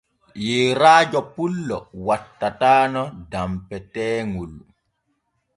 Yeerajo pullo wattatano danpeteeŋol.